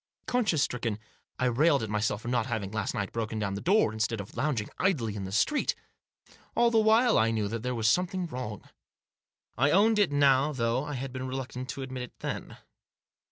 Conscience stricken, I railed at myself for not having, last night, broken down the door, instead of lounging idly in the street. All the while, I knew that there was something wrong. I owned it now, though I had been reluctant to admit it then.